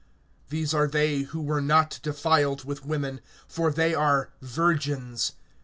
(4)These are they who were not defiled with women; for they are virgins.